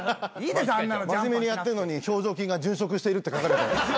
真面目にやってんのに「表情筋が殉職している」って書かれたんです。